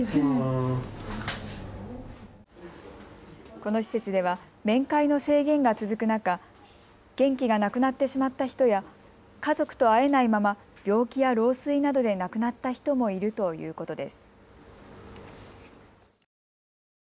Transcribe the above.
この施設では面会の制限が続く中、元気がなくなってしまった人や家族と会えないまま病気や老衰などで亡くなった人もいるということです。